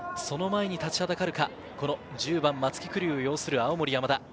その前に立ちはだかるか、１０番・松木玖生擁する青森山田。